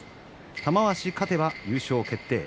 玉鷲、勝てば優勝決定。